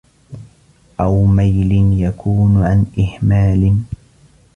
أَوْ مَيْلٍ يَكُونُ عَنْ إهْمَالٍ